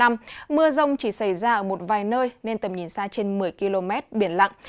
mưa rông chỉ xảy ra ở một vài nơi nên tầm nhìn xa trên một mươi km biển lặng